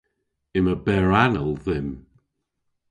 Yma berranal dhymm.